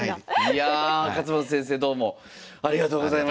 勝又先生どうもありがとうございました。